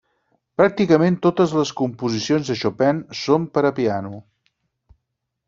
Pràcticament totes les composicions de Chopin són per a piano.